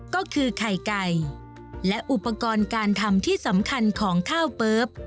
ก็คือไข่ไก่และอุปกรณ์การทำที่สำคัญของข้าวเปิ๊บ